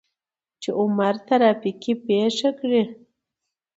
چې عمر ترافيکي پېښه کړى.